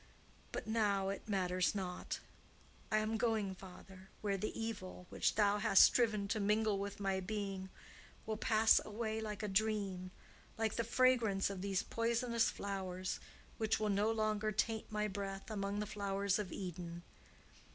"But now it matters not. I am going, father, where the evil which thou hast striven to mingle with my being will pass away like a dream like the fragrance of these poisonous flowers, which will no longer taint my breath among the flowers of Eden.